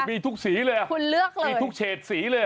มีทุกสีเลยมีทุกเฉดสีเลย